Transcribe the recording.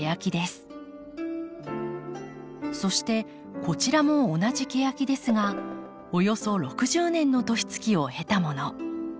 そしてこちらも同じケヤキですがおよそ６０年の年月を経たもの。